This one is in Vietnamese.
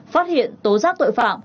phát hiện tố giác tội phạm